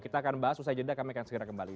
kita akan bahas usai jeda kami akan segera kembali